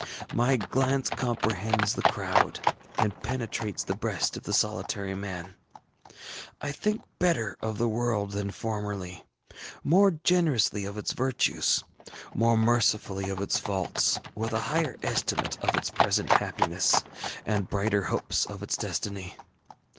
My glance comprehends the crowd, and penetrates the breast of the solitary man. I think better of the world than formerly, more generously of its virtues, more mercifully of its faults, with a higher estimate of its present happiness, and brighter hopes of its destiny.